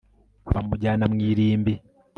bamujyana mu irimbi